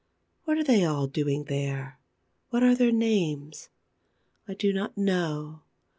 What are they all doing there? What are their names? I do not know.